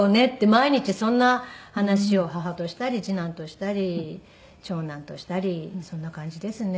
毎日そんな話を母としたり次男としたり長男としたりそんな感じですね。